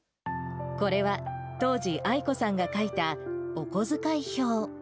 これは、当時、アイコさんが書いたおこづかい表。